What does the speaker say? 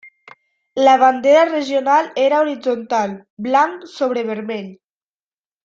La bandera regional era horitzontal, blanc sobre vermell.